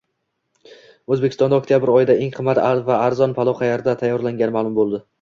O‘zbekistonda oktabr oyida eng qimmat va arzon palov qayerda tayyorlangani ma’lum qilindi